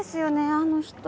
あの人。